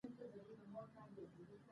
که ماشوم پر وړکتون غوصه وي، صبر وکړئ.